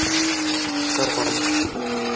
Ҡыуам!